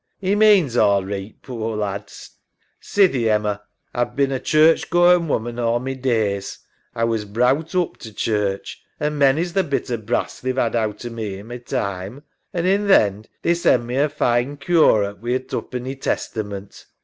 'E means all reeght, poor lad. Sithee, Emma, A've bin a Church goin' woman all my days. A was browt oop to Church, an' many's th' bit o' brass they've 'ad out o' me in my time. An' in th' end they send me a fine curate with a tupenny Testament.